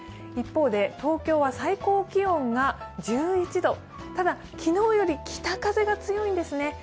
一方で東京は最高気温が１１度、ただ昨日より、北風が強いんですね。